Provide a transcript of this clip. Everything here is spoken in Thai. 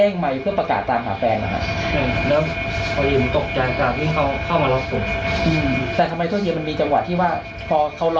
เอาใหม่ประกาศแล้วนะฮะแต่ตอนนั้นคือทราบใช่ไหมครับ